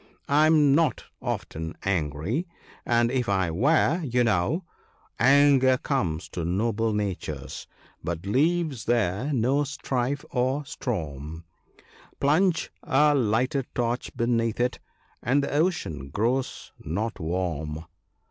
I am not often angry, and if I were, you know —" Anger comes to noble natures, but leaves there no strife or storm : Plunge a lighted torch beneath it, and the ocean grows not warm."